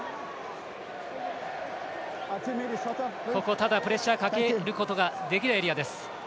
ただ、プレッシャーかけることができるエリアです。